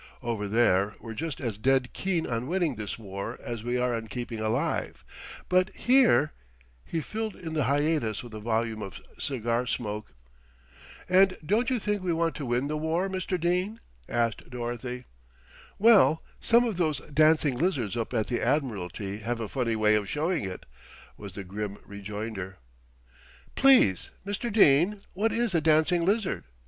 Over there we're just as dead keen on winning this war as we are on keeping alive; but here " He filled in the hiatus with a volume of cigar smoke. "And don't you think we want to win the war, Mr. Dene?" asked Dorothy. "Well, some of those dancing lizards up at the Admiralty have a funny way of showing it," was the grim rejoinder. "Please, Mr. Dene, what is a dancing lizard?"